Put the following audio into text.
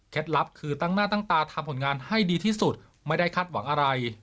ลับคือตั้งหน้าตั้งตาทำผลงานให้ดีที่สุดไม่ได้คาดหวังอะไร